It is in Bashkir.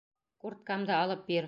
Курткамды алып бир.